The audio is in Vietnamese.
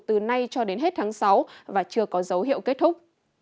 từ nay cho đến hết tháng sáu và chưa có dấu hiệu kết thúc